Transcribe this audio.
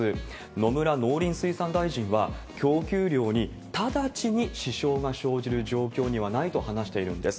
野村農林水産大臣は、供給量に直ちに支障が生じる状況にはないと話しているんです。